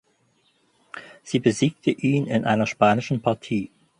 Sie besiegte ihn in einer Spanischen Partie.